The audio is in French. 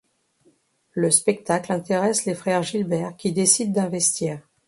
Le spectacle intéresse les frères Gilbert qui décident d'investir.